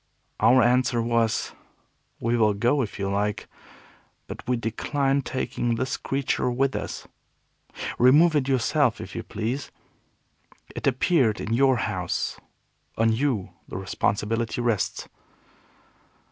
Our answer was, "We will go if you like, but we decline taking this creature with us. Remove it yourself if you please. It appeared in your house. On you the responsibility rests."